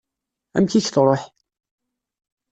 Amek i k-truḥ?